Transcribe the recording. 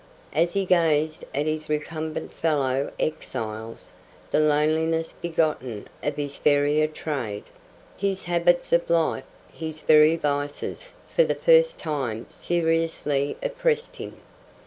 As he gazed at his recumbent fellow exiles, the loneliness begotten of his pariah trade, his habits of life, his very vices, for the first time seriously oppressed him.